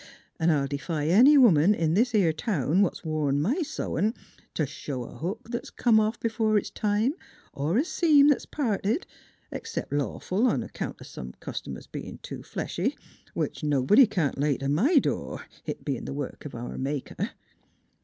An' I'll defy any woman in this 'ere town what's worn my sewin' t' show a hook that's come off b'fore its time, or a seam that's parted, 'xcept lawful on 'count o' customers bein' too fleshy which nobody c'n lay t' my door, it bein' th' work of our Maker."